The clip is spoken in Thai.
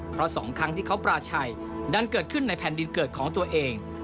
เพราะ๒ครั้งที่เขาปราชัยดันเกิดขึ้นในแผ่นดินเกิดของตัวเอง